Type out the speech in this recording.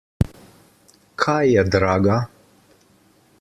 Kaj je draga?